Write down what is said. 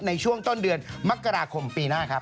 ในช่วงต้นเดือนมกราคมปีหน้าครับ